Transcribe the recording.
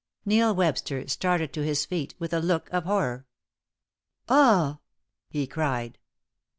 Neil Webster started to his feet with a look of horror. "Ah!" he cried.